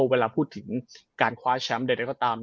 เวลาพูดถึงการคว้าแชมป์ใดก็ตาม